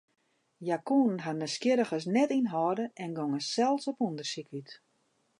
Hja koene harren nijsgjirrigens net ynhâlde en gongen sels op ûndersyk út.